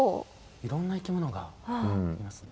いろんな生き物がいますね。